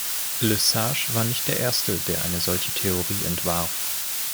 Le Sage war nicht der Erste der eine solche Theorie entwarf.